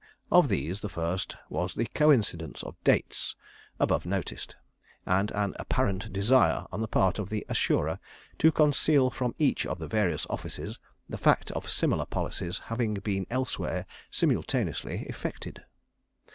Of these the first was the coincidence of dates, above noticed; and an apparent desire on the part of the assurer to conceal from each of the various offices the fact of similar policies having been elsewhere simultaneously effected.